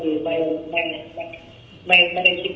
แต่ว่าในใจทุกครั้งที่เห็นข่าวก็เสียใจกับการกระทับครับ